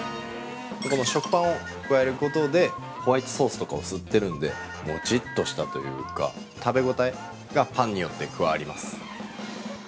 この食パンを加えることで、ホワイトソースとかを吸ってるんで、もちっとしたというか、食べ応えがパンによって加わります。